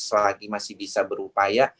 selagi masih bisa berupaya